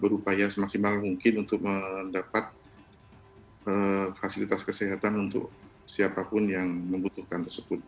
berupaya semaksimal mungkin untuk mendapat fasilitas kesehatan untuk siapapun yang membutuhkan tersebut